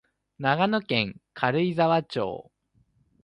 長野県軽井沢町